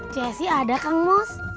cek esi ada kang mus